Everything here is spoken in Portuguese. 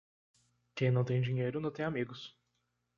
Quem não tem dinheiro, não tem amigos.